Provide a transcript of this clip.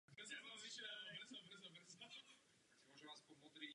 Ve školách se také liší vyučovací informace.